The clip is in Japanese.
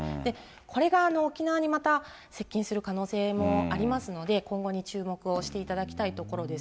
これが沖縄にまた接近する可能性もありますので、今後に注目をしていただきたいところです。